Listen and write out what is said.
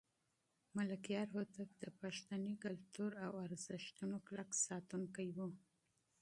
ملکیار هوتک د پښتني کلتور او ارزښتونو کلک ساتونکی و.